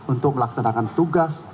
untuk melaksanakan tugas